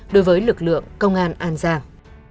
đối với lực lượng công an an giang